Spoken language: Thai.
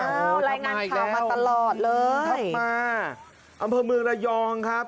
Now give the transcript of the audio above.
รายงานข่าวมาตลอดเลยทัพมาอำเภอเมืองระยองครับ